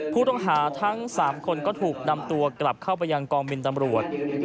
ผู้ต้องหาทั้ง๓คนก็ถูกนำตัวกลับเข้าไปยังกองบินตำรวจ